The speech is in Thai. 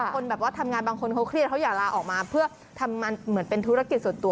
คนแบบว่าทำงานบางคนเขาเครียดเขาอยากลาออกมาเพื่อทำเหมือนเป็นธุรกิจส่วนตัว